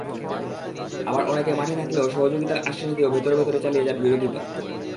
আবার অনেকে মাঠে থাকলেও সহযোগিতার আশ্বাস দিয়েও ভেতরে-ভেতরে চালিয়ে যান বিরোধিতা।